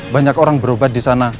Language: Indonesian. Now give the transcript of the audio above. banyak orang berobat disana